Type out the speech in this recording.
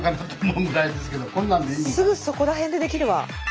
すぐそこら辺でできるわ。